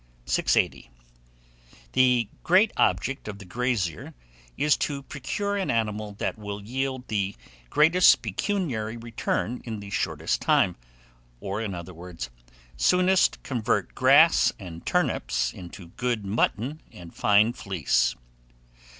680. THE GREAT OBJECT OF THE GRAZIER is to procure an animal that will yield the greatest pecuniary return in the shortest time; or, in other words, soonest convert grass and turnips into good mutton and fine fleece.